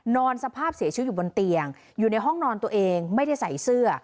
นอนสภาพเสียชีวิตอยู่บนเตียงอยู่ในห้องนอนตัวเองไม่ได้ใส่เสื้อ